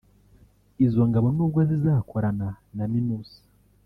Izo ngabo nubwo zizakorana na Minuss